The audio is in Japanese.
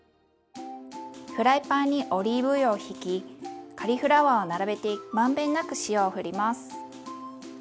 フライパンにオリーブ油をひきカリフラワーを並べて満遍なく塩をふります。